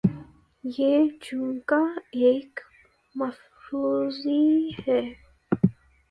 یہ چونکہ ایک مفروضہ ہی ہے۔